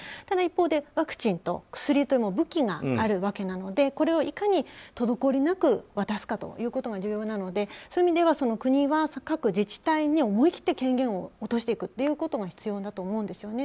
ただ、一方でワクチンと薬という武器があるわけなのでこれをいかにとどこおりなく渡すことが重要なのでそういう意味では国は各自治体に思い切って権限を落としていくということが必要だと思うんです。